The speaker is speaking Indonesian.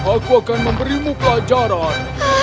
aku akan memberimu pelajaran